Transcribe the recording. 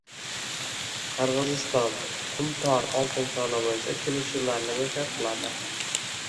Qirg‘iziston “Qumtor” oltin koni bo‘yicha kelishuvlarni bekor qiladi